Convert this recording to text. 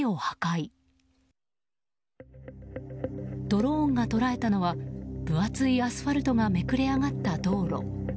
ドローンが捉えたのは分厚いアスファルトがめくれ上がった道路。